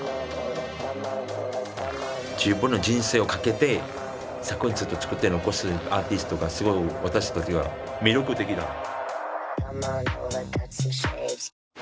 自分の人生をかけて作品をずっと作って残すアーティストがすごい私にとっては魅力的だった。